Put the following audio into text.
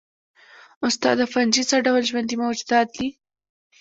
استاده فنجي څه ډول ژوندي موجودات دي